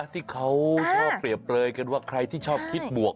ที่เขาชอบเปรียบเปลยกันว่าใครที่ชอบคิดบวก